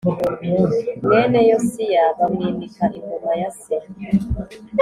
Mwene yosiya bamwimika ingoma ya se